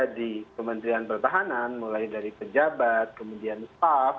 ada di kementerian pertahanan mulai dari pejabat kemudian staf